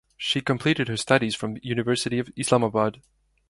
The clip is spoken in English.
She completed her studies from University of Islamabad.